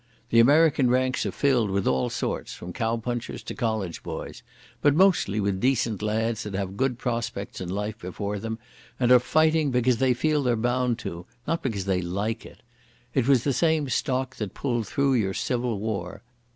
The American ranks are filled with all sorts, from cow punchers to college boys, but mostly with decent lads that have good prospects in life before them and are fighting because they feel they're bound to, not because they like it. It was the same stock that pulled through your Civil War.